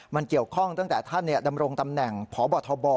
มันเกี่ยวข้องตั้งแต่ท่านดำรงตำแหน่งพบทบ